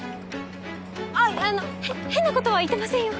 あっあのへ変なことは言ってませんよ。